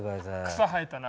草生えたな。